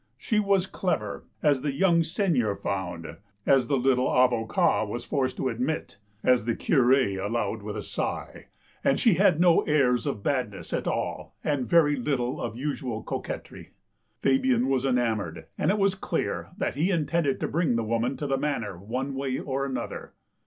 She was clever, as the young Seigneur found, as the little Avocat was forced to admit, as the Cure allowed 176 THE LANE THAT HAD NO TURNING with a sigh, and she had no airs of badness at all and very little of usual coquetry. Fabian was enamoured, and it was clear that he intended to bring the woman to the Manor one way or another.